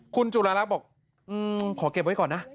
คุณจุลารักษ์บอกขอเก็บไว้ก่อนนะ